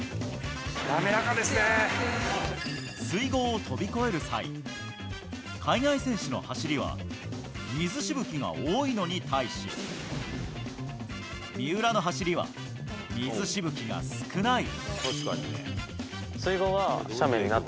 水濠を飛び越える際、海外選手の走りは水しぶきが多いのに対し、三浦の走りは水しぶきが少ない。